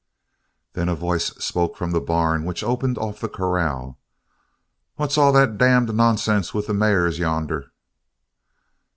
Then a voice spoke from the barn which opened off the corral: "What's all that damned nonsense with the mares yonder?"